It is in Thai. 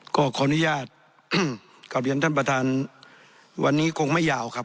ขออนุญาตกลับเรียนท่านประธานวันนี้คงไม่ยาวครับ